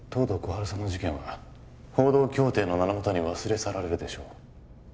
春さんの事件は報道協定の名のもとに忘れ去られるでしょう